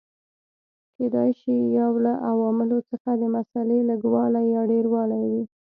کېدای شي یو له عواملو څخه د مسالې لږوالی یا ډېروالی وي.